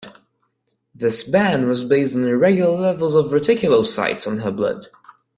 This ban was based on irregular levels of reticulocytes in her blood.